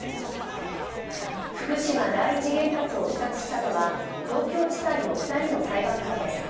福島第一原発を視察したのは東京地裁の２人の裁判官です。